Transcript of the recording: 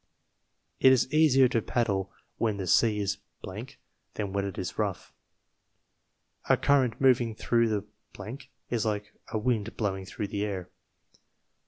It is easier to paddle when the sea is than when it is rough. A current moving through the is like a wind blowing through the air.